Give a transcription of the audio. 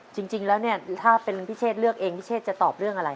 จริงแล้วเนี่ยถ้าเป็นพี่เชษเลือกเองพี่เชษจะตอบเรื่องอะไร